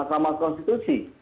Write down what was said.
ketentuan masyarakat konstitusi